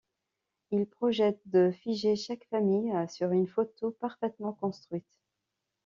Il projette de figer chaque famille sur une photo parfaitement construite.